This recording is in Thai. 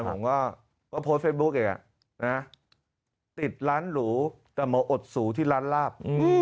ผมก็โพสต์เฟซบุ๊กอีกติดร้านหรูแต่มาอดสูที่ร้านลาบ